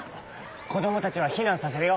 こどもたちはひなんさせるよ！